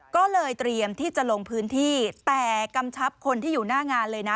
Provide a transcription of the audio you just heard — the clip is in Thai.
ก็เลยเตรียมที่จะลงพื้นที่แต่กำชับคนที่อยู่หน้างานเลยนะ